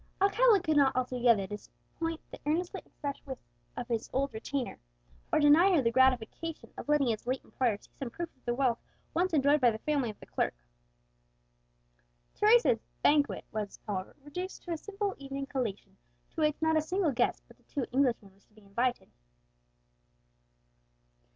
Alcala could not altogether disappoint the earnestly expressed wish of his old retainer, or deny her the gratification of letting his late employer see some proof of the wealth once enjoyed by the family of his clerk. Teresa's "banquet" was, however, reduced to a simple evening collation, to which not a single guest but the two Englishmen was to be invited.